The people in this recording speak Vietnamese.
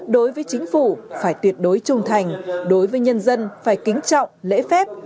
đối với chính phủ phải tuyệt đối trung thành đối với nhân dân phải kính trọng lễ phép